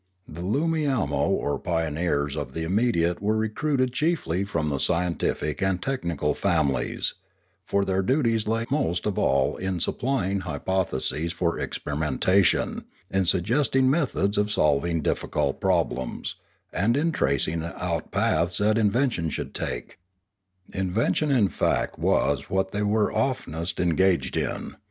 The Loomiamo or pioneers of the immediate were recruited chiefly from the scientific and technical families; for their duties lay most of all in supplying hypotheses for experimentation, in suggest ing methods of solving difficult problems, and in tracing out paths that invention should take; invention in fact was what they were oftenest engaged in.